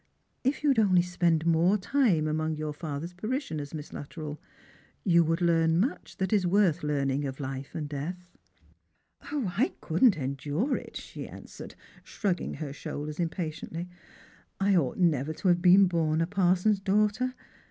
If you would only spend more time among your father's parishioners, Miss Luttrell, you would learn much that is worth learning of life and death." " I couldn't endure it," she answered, shrugging her shoulders impatiently ; "I ought never to have been born a parson's daughter.